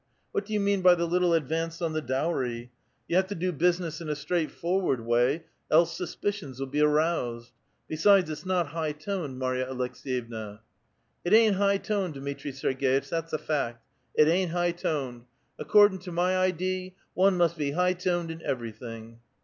What do you mean by the little advance on the dowry ? You have to do busi ness in a straightforward way else suspicions'll be aroused. Besides, it is not high toned, Marya Aleks^yevna." ''It ain't high toned, Dmitri Serg^itch, that's a fact; it ain't high toned. Accordin' to my idee, one must be high toned in everything."